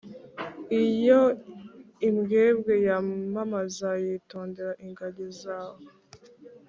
iyo imbwebwe yamamaza, witondere ingagi zawe.